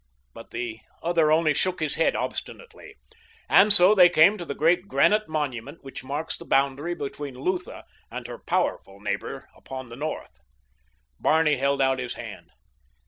But the other only shook his head obstinately, and so they came to the great granite monument which marks the boundary between Lutha and her powerful neighbor upon the north. Barney held out his hand.